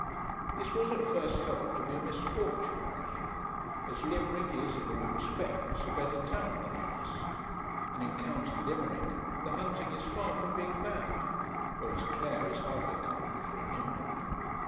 This was at first held to be a misfortune by him, as Limerick is in all respects a better town than Ennis, and in County Limerick the hunting is far from being bad, whereas Clare is hardly a country for a Nimrod.